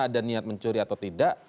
ada niat mencuri atau tidak